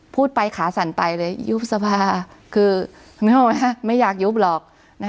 พูดไปขาสั่นไปเลยยุบสภาคือไม่อยากยุบหรอกนะคะ